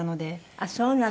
ああそうなの。